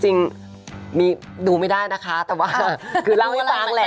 จริงมีดูไม่ได้นะคะแต่ว่าคือเล่าให้ฟังแหละ